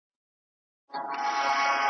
بېله پوښتني ځي جنت ته چي زکات ورکوي .